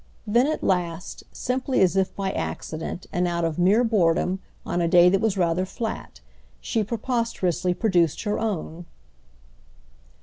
Then at last, simply as if by accident and out of mere boredom on a day that was rather flat, she preposterously produced her own.